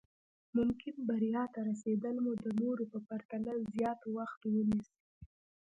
ممکن بريا ته رسېدل مو د نورو په پرتله زیات وخت ونيسي.